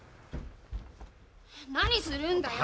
何するんだよ！